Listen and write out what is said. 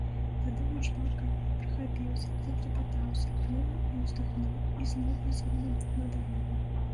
Тады ён шпарка прахапіўся, затрапятаўся, плюнуў і ўздыхнуў і зноў вызірнуў на дарогу.